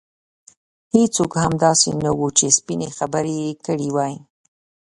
هېڅوک هم داسې نه وو چې سپینې خبرې یې کړې وای.